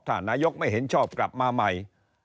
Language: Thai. ถ้านายกไม่เห็นชอบกลับมาใหม่